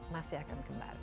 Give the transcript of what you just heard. masih akan kembali